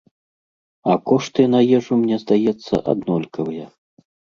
А кошты на ежу, мне здаецца, аднолькавыя.